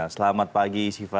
selamat pagi siva